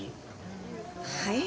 はい？